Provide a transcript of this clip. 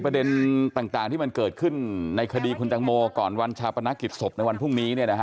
ประเด็นต่างที่มันเกิดขึ้นในคดีคุณตังโมก่อนวันชาปนกิจศพในวันพรุ่งนี้